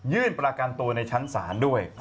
ยื่นประการตัวในชั้นศาลด้วย